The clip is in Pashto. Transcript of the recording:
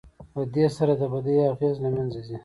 له دې سره د بدۍ اغېز له منځه ځي.